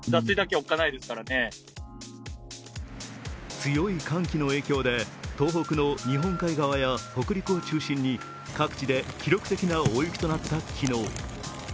強い寒気の影響で東北の日本海側や北陸を中心に各地で記録的な大雪となった昨日。